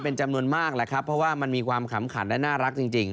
เพราะว่ามันมีความขำขัดและน่ารักจริง